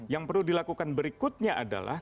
yang perlu dilakukan berikutnya adalah